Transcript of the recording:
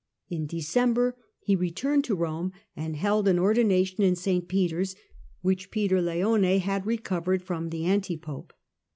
In December he returned to Rome and held an ordination in St. Peter's, which Peter Leone had recovered from the anti pope.